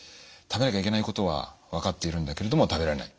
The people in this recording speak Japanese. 食べなきゃいけないことは分かっているんだけれども食べられない。